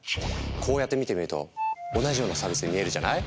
こうやって見てみると同じようなサービスに見えるじゃない？